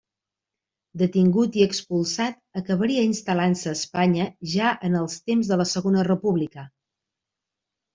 Detingut i expulsat, acabaria instal·lant-se a Espanya, ja en els temps de la Segona República.